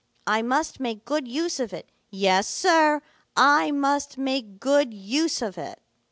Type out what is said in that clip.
I must make good use of it. Yes, Sir, I must make good use of it.'